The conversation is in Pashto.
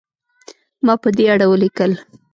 ما په دې اړه ولیکل.